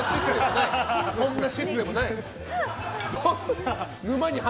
そんなシステムない。